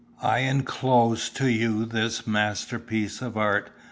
I enclose to you this masterpiece of art.